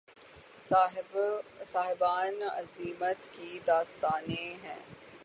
صاحبان عزیمت کی داستانیں ہیں